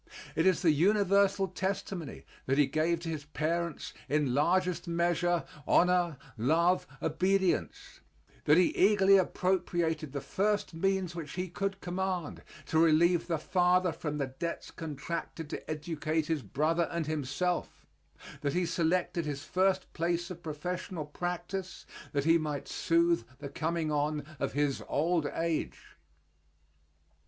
It is the universal testimony that he gave to his parents, in largest measure, honor, love, obedience; that he eagerly appropriated the first means which he could command to relieve the father from the debts contracted to educate his brother and himself; that he selected his first place of professional practice that he might soothe the coming on of his old age.